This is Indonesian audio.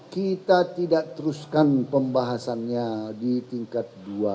kita tidak teruskan pembahasannya di tingkat dua